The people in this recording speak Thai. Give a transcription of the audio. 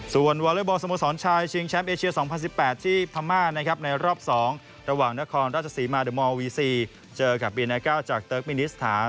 ส่วนวอเล็กบอลสโมสรชายชิงแชมป์เอเชีย๒๐๑๘ที่พม่านะครับในรอบ๒ระหว่างนครราชศรีมาเดอร์มอลวีซีเจอกับบีไนก้าจากเติร์กมินิสถาน